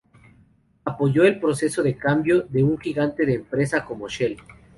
Apoyó el proceso de cambio de un gigante de empresa como Shell.